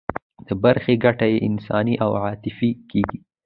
د برخې ګټه یې انساني او عاطفي کېږي.